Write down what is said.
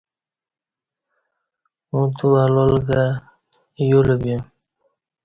اوں تو الال کہ یولہ بیم